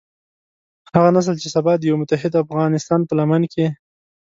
هغه نسل چې سبا د يوه متحد افغانستان په لمن کې.